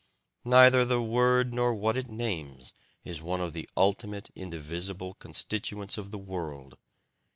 Neither the word nor what it names is one of the ultimate indivisible constituents of the world.